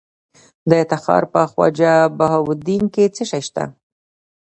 د تخار په خواجه بهاوالدین کې څه شی شته؟